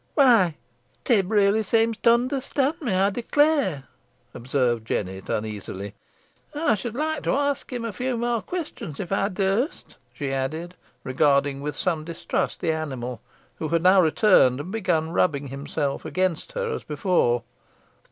"Why Tib really seems to onderstond me, ey declare," observed Jennet, uneasily. "Ey should like to ask him a few more questions, if ey durst," she added, regarding with some distrust the animal, who now returned, and began rubbing against her as before.